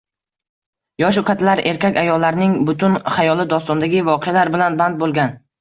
Yoshu kattalar, erkak-ayollarning butun xayoli dostondagi voqealar bilan band bo'lgan